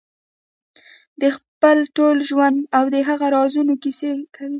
د خپل ټول ژوند او د هغه رازونو کیسې کوي.